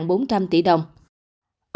ông nguyễn hoàng hiệp